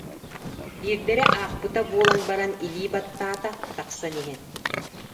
Биирдэрэ аахпыта буолан баран илии баттаата, тахсан иһэн: